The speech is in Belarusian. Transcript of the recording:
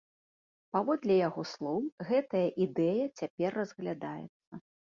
Паводле яго слоў, гэтая ідэя цяпер разглядаецца.